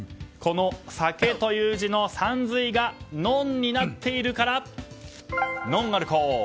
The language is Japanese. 酒という字のさんずいがノンになっているからノンアルコール。